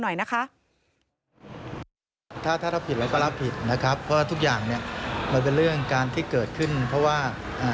ยังไงอะ